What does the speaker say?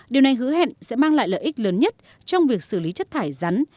điều này hứa hẹn sẽ mang lại lợi ích lớn nhất trong việc xử lý chất thải rắn